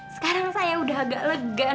sekarang saya udah agak lega